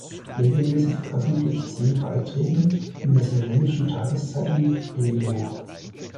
Regelmäßig veröffentlicht sie Beiträge in der slowenischen Tageszeitung Delo.